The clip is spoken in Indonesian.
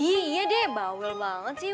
iya deh bawel banget sih